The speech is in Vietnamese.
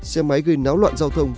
xe máy gây náo loạn giao thông